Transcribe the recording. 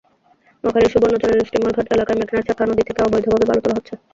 নোয়াখালীর সুবর্ণচরের স্টিমারঘাট এলাকায় মেঘনার শাখা নদী থেকে অবৈধভাবে বালু তোলা হচ্ছে।